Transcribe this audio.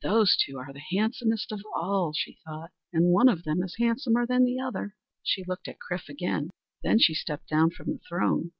"Those two are the handsomest of all," she thought, "and one of them is handsomer than the other." She looked at Chrif again. Then she stepped down from the throne.